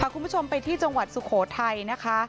คุณผู้ชมไปที่จังหวัดสุโขทัยนะคะ